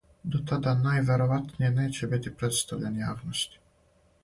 До тада највероватније неће бити представљен јавности.